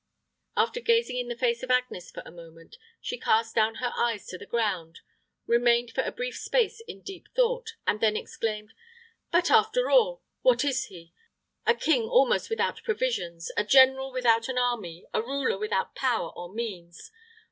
After gazing in the face of Agnes for a moment, she cast down her eyes to the ground, remained for a brief space in deep thought, and then exclaimed, "But, after all, what is he? A king almost without provisions, a general without an army, a ruler without power or means.